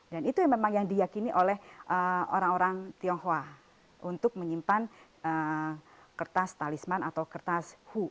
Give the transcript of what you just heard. dan itu memang yang diyakini oleh orang orang tionghoa untuk menyimpan kertas talisman atau kertas hu